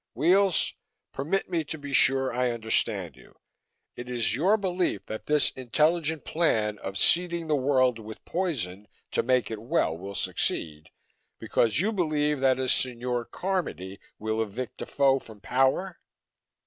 "Weels, permit me to be sure I understand you. It is your belief that this intelligent plan of seeding the world with poison to make it well will succeed, because you believe that a Signore Carmody will evict Defoe from power?"